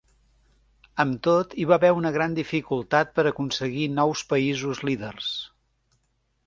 Amb tot, hi va haver una gran dificultat per aconseguir nous països líders.